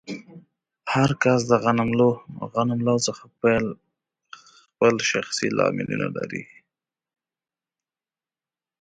هر کس د غنملو څخه خپل شخصي لاملونه لري.